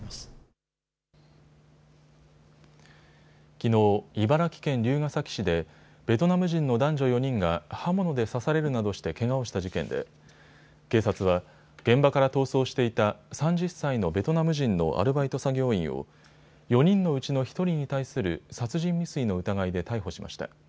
きのう茨城県龍ケ崎市でベトナム人の男女４人が刃物で刺されるなどしてけがをした事件で警察は、現場から逃走していた３０歳のベトナム人のアルバイト作業員を４人のうちの１人に対する殺人未遂の疑いで逮捕しました。